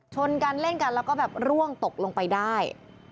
ชนกันเล่นกันแล้วก็แบบร่วงตกลงไปได้